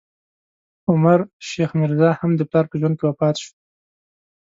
عمر شیخ میرزا، هم د پلار په ژوند کې وفات شو.